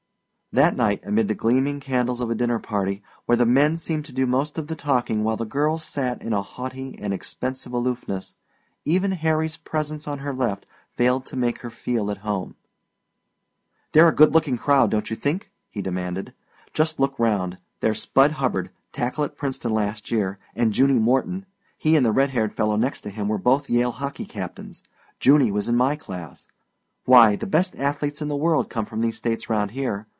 That night, amid the gleaming candles of a dinner party, where the men seemed to do most of the talking while the girls sat in a haughty and expensive aloofness, even Harry's presence on her left failed to make her feel at home. "They're a good looking crowd, don't you think?" he demanded. "Just look round. There's Spud Hubbard, tackle at Princeton last year, and Junie Morton he and the red haired fellow next to him were both Yale hockey captains; Junie was in my class. Why, the best athletes in the world come from these States round here.